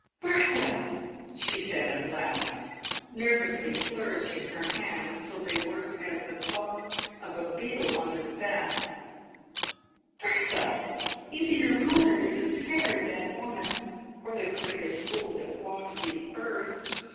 " Bertha !" she at last said, nervously flourishing her hands till they worked as the claws of a beetle on its back, " Bertha ! either your mother is a very bad woman, or the greatest fool that walks the earth.